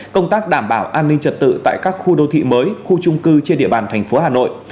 công tác đảm bảo an ninh trật tự tại các khu đô thị mới khu trung cư trên địa bàn thành phố hà nội